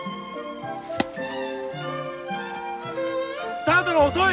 スタートが遅い！